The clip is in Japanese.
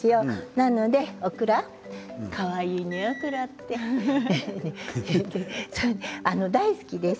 なのでオクラかわいいね、オクラって大好きです。